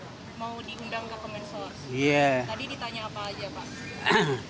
tadi ditanya apa aja pak